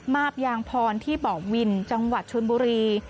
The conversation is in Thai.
มาบยางพรที่เบาะวินจังหวัดชนบุรี